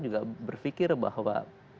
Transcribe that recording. juga berpikir bahwa